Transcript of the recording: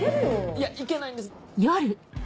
いやいけないんです。